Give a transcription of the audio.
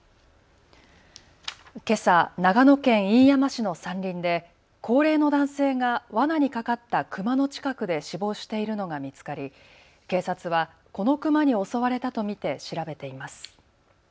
けさ、長野県飯山市の山林で高齢の男性がわなにかかったクマの近くで死亡しているのが見つかり警察はこのクマに襲われたと見て調べています。